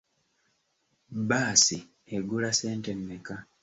Bbaasi egula ssente mmeka?